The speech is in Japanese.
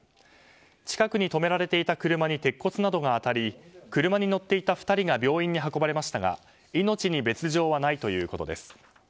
近くに止められていた車に鉄骨などが当たり車に乗っていた２人が病院に運ばれましたが命に別条はないということです。